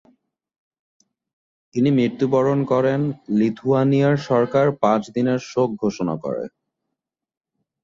তিনি মৃত্যুবরণ করেন, লিথুয়ানিয়ার সরকার পাঁচ দিনের শোক ঘোষণা করে।